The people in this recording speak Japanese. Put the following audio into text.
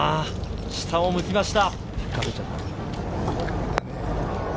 下を向きました。